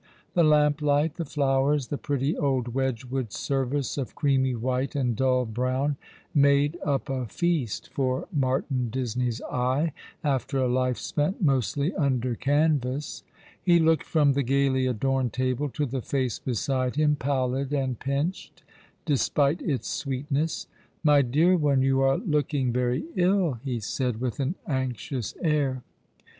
The lamplight, the flowers, the pretty old Wedgwood service of creamy white and dull brown, made up a feast for Martin Disney's eye, after a life spent mostly under canvas. He looked from the gaily adorned table to the face beside him, pallid and pinched, despite its sweetness. " My dear one, you are looking very ill," he said, with an anxious air.